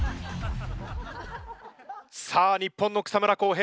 さあ日本の草村航平